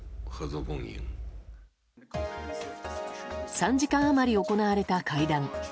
３時間余り行われた会談。